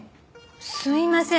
すみません